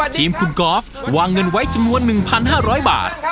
ทีมคุณกอล์ฟวางเงินไว้จำนวน๑๕๐๐บาท